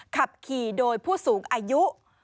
ขับขี่โดยผู้สูงอายุ